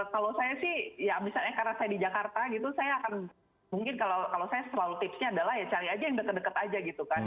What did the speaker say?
kalau saya sih ya misalnya karena saya di jakarta gitu saya akan mungkin kalau saya selalu tipsnya adalah ya cari aja yang deket deket aja gitu kan